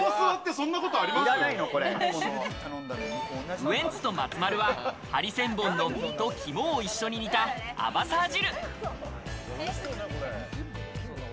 ウエンツと松丸は、ハリセンボンの身と肝を一緒に煮たアバサー汁。